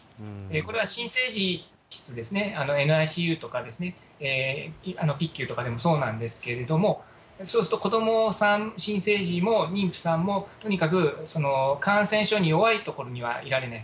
これは新生児室ですね、ＮＩＣＵとかピッキューとかもそうなんですけれども、そうすると子どもさん、新生児も妊婦さんもとにかく、感染症に弱い所にはいられない。